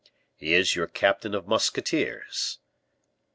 "He is your captain of musketeers."